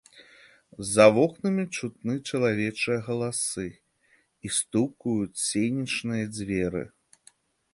За вокнамі чутны чалавечыя галасы, і стукаюць сенечныя дзверы.